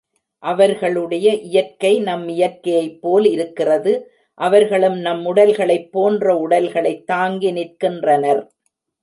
அவர்களுடைய இயற்கை நம் இயற்கையைப் போல் இருக்கிறது அவர்களும் நம் உடல்களைப் போன்ற உடல்களைத் தாங்கி நிற்கின்றனர்.